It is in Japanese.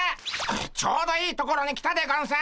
ちょうどいいところに来たでゴンス！